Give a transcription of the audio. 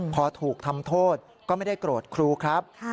พอถูกทำโทษก็ไม่ได้โกรธครูครับ